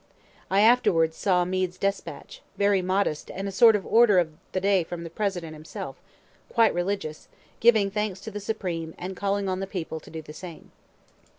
(I afterwards saw Meade's despatch, very modest, and a sort of order of the day from the President himself, quite religious, giving thanks to the Supreme, and calling on the people to do the same.)